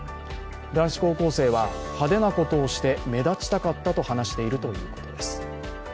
男子高校生は派手なことをして目立ちたかったと話しているということです。